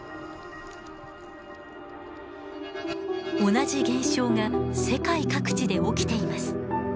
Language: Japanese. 同じ現象が世界各地で起きています。